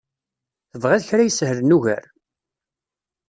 Tebɣiḍ kra isehlen ugar?